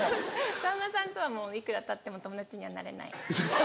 さんまさんとはもういくらたっても友達にはなれない。